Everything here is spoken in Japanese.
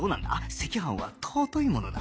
赤飯は尊いものだ